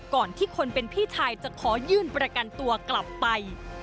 ก่อนที่คนเป็นพี่ชายจะขอยื่นประกันตัวกลับไป